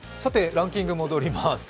ランキングに戻ります。